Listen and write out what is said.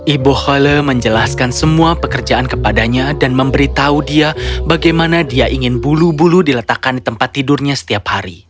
ibu hole menjelaskan semua pekerjaan kepadanya dan memberitahu dia bagaimana dia ingin bulu bulu diletakkan di tempat tidurnya setiap hari